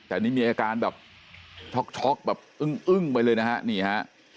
แต่นี่มีอาการแบบช็อกแบบอึ้งไปเลยนะฮะนี่ฮะ